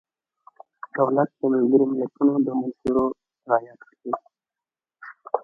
دولت د ملګرو ملتونو د منشورو رعایت کوي.